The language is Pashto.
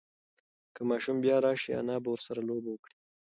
که ماشوم بیا راشي، انا به ورسره لوبه وکړي.